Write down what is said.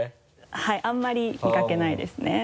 はいあんまり見かけないですね。